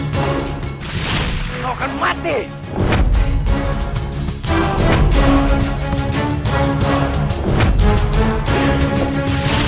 kau akan mati